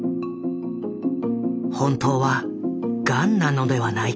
「本当はガンなのではないか？」。